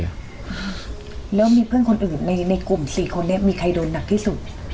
แล้วมีเพื่อนคนอื่นในกลุ่ม๔คนเนี่ยมีใครโดนนักที่สุด